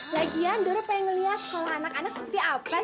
lagian dora pengen ngelihat sekolah anak anak seperti apa sih